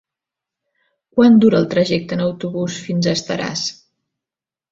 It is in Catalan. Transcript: Quant dura el trajecte en autobús fins a Estaràs?